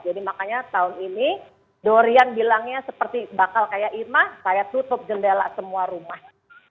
jadi makanya tahun ini dorian bilangnya seperti bakal kayak irma saya tutup jendela semua rumah